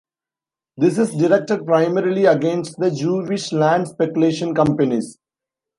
This is directed primarily against the Jewish land-speculation companies.